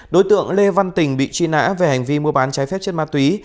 đối tượng lê văn tình bị truy nã về hành vi mua bán trái phép chất ma túy